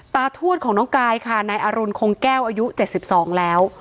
ทวดของน้องกายค่ะนายอรุณคงแก้วอายุ๗๒แล้ว